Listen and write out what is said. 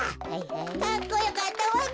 かっこよかったわべ！